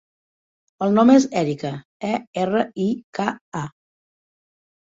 El nom és Erika: e, erra, i, ca, a.